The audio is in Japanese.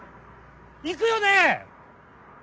行くよね？